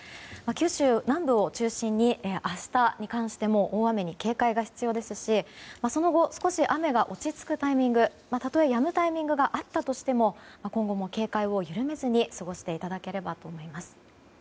九州南部を中心に明日に関しても大雨に警戒が必要ですしその後少し雨が落ち着くタイミングたとえ、やむタイミングがあったとしても今後も警戒を緩めずに過ごしていただければと思います。